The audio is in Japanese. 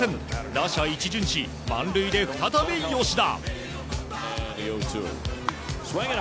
打者一巡し満塁で再び吉田。